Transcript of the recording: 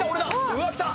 うわきた。